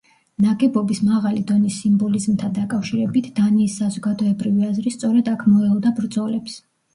ნაგებობის მაღალი დონის სიმბოლიზმთან დაკავშირებით დანიის საზოგადოებრივი აზრი სწორედ აქ მოელოდა ბრძოლებს.